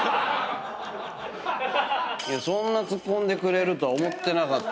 そんなツッコんでくれるとは思ってなかったよ。